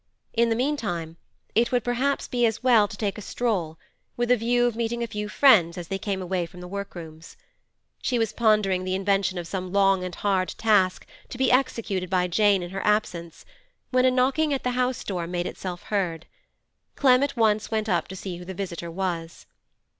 In the meantime, it would perhaps be as well to take a stroll, with a view of meeting a few friends as they came away from the workrooms. She was pondering the invention of some long and hard task to be executed by Jane in her absence, when a knocking at the house door made itself heard. Clem at once went up to see who the visitor was.